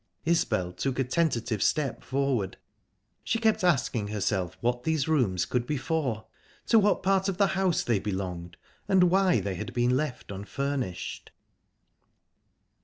Isbel took a tentative step forward. She kept asking herself what these rooms could be for, to what part of the house they belonged, and why they had been left unfurnished.